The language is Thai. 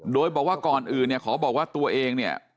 โดยบอกว่าก่อนอื่นเนี่ยขอบอกว่าตัวเองเนี่ย